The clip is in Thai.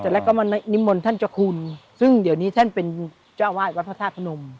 แรกก็มานิมนต์ท่านเจ้าคุณซึ่งเดี๋ยวนี้ท่านเป็นเจ้าอาวาสวัดพระธาตุพนม